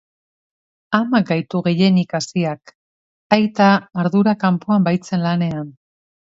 Amak gaitu gehienik haziak, aita ardura kanpoan baitzen lanean.